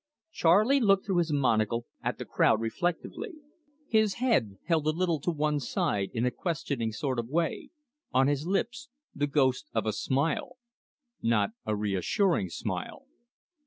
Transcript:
Charley looked through his monocle at the crowd reflectively, his head held a little to one side in a questioning sort of way, on his lips the ghost of a smile not a reassuring smile.